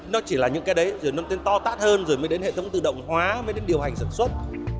nó chỉ là những cái đấy rồi nó đến to tát hơn rồi mới đến hệ thống tự động hóa mới đến điều hành sản xuất